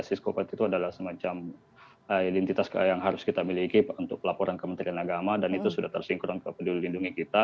siskopat itu adalah semacam identitas yang harus kita miliki untuk laporan kementerian agama dan itu sudah tersinkron ke peduli lindungi kita